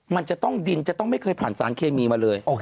มันจะต้องดินจะต้องไม่เคยผ่านสารเคมีมาเลย